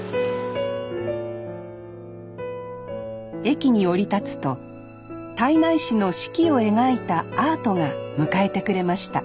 駅に降り立つと胎内市の四季を描いたアートが迎えてくれました